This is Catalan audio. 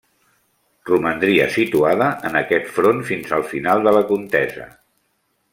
Romandria situada en aquest front fins al final de la contesa.